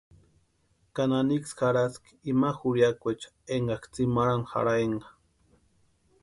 ¿Ka naniksï jarhaski ima jurhiakweecha énkaksï tsimarhani jarhaenka?